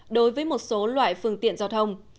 đối với một số loại phương tiện giao thông